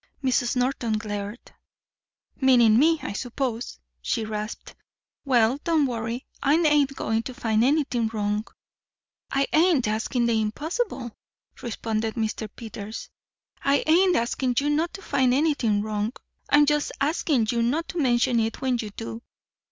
Mrs. Norton glared. "Meaning me, I suppose," she rasped. "Well, don't worry. I ain't going to find anything wrong." "I ain't asking the impossible," responded Mr. Peters. "I ain't asking you not to find anything wrong. I'm just asking you not to mention it when you do."